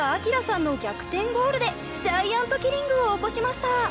ゴールでジャイアントキリングを起こしました。